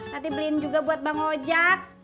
nanti beliin juga buat bang ojek